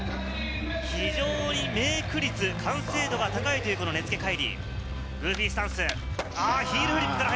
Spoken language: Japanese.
非常にメイク率、完成度が高いという根附海龍、グーフィースタンス。